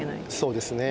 そうですね。